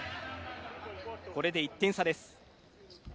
これで１点差です。